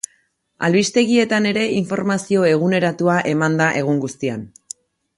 Albistegietan ere informazio eguneratua eman da egun guztian.